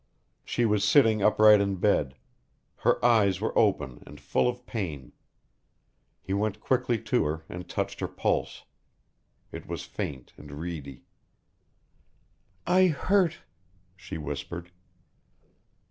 She was sitting upright in bed. Her eyes were open and full of pain. He went quickly to her and touched her pulse. It was faint and reedy. "I hurt," she whispered.